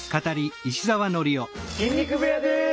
筋肉部屋です。